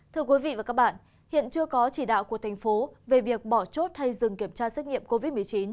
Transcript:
thưa quý vị và các bạn hiện chưa có chỉ đạo của thành phố về việc bỏ chốt hay dừng kiểm tra xét nghiệm covid một mươi chín